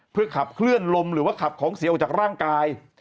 เพื่อขับเคลื่อนลมหรือว่าขับของเสียออกจากร่างกาย